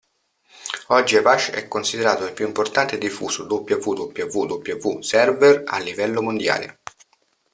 Oggi Apache è considerato il più importante e diffuso "www server" a livello mondiale.